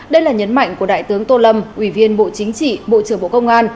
đây là nhấn mạnh của đại tướng tô lâm ủy viên bộ chính trị bộ trưởng bộ công an